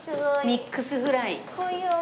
ミックスフライ。